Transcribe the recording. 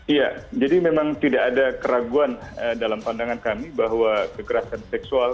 iya jadi memang tidak ada keraguan dalam pandangan kami bahwa kekerasan seksual